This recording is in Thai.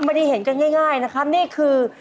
ไม่ได้เห็นกันง่ายนะครับนี่คือ